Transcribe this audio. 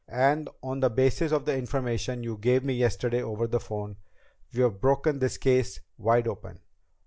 And on the basis of the information you gave me yesterday over the phone, we've broken this case wide open.